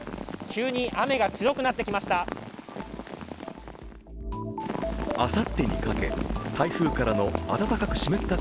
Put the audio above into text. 急に雨が強くなってきました。